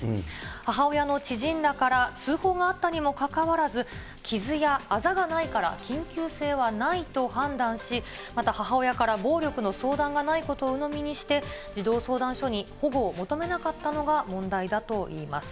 母親の知人らから通報があったにもかかわらず、傷やあざがないから、緊急性はないと判断し、また母親から暴力の相談がないことをうのみにして、児童相談所に保護を求めなかったのが問題だといいます。